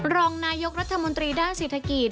รองนายกรัฐมนตรีด้านเศรษฐกิจ